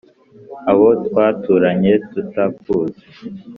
abo twaturanye tutakuzi?